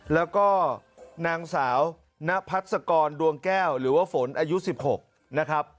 แล้วก็นางสาวนพัศกรดวงแก้วหรือว่าฝนอายุ๑๖นะครับ